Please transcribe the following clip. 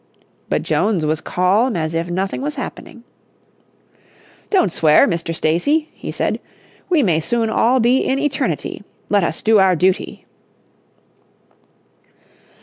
But Jones was calm as if nothing was happening. "Don't swear, Mr. Stacy," he said. "We may soon all be in eternity. Let us do our duty."